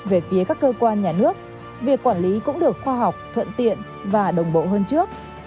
về phía các cơ quan nhà nước việc quản lý cũng được khoa học thuận tiện và đồng bộ hơn trước